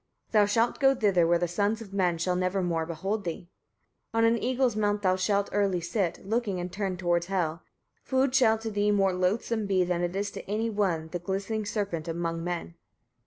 Thou shalt go thither, where the sons of men shall never more behold thee. 27. On an eagle's mount thou shalt early sit, looking and turned towards Hel. Food shall to thee more loathsome be than is to any one the glistening serpent among men.